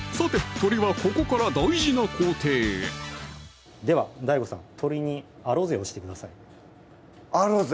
鶏はここから大事な工程へではＤＡＩＧＯさん鶏にアロゼをしてくださいアロゼ？